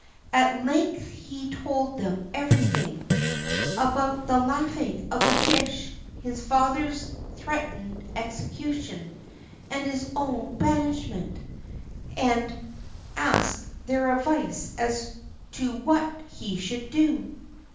At length he told them everything—about the laughing of the fish, his father's threatened execution, and his own banishment—and asked their advice as to what he should do.